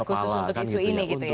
khusus untuk isu ini gitu ya